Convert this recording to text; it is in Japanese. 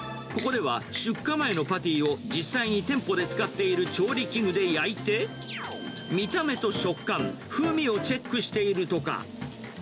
ここでは、出荷前のパティを実際に店舗で使っている調理器具で焼いて、見た目と食感、風味をチェックしているとか。